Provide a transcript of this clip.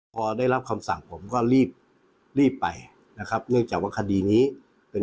พอได้รับคำสั่งผมก็รีบรีบไปนะครับเนื่องจากว่าคดีนี้เป็น